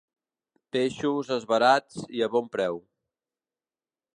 Peixos esverats i a bon preu.